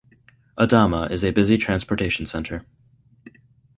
Adama is a busy transportation center.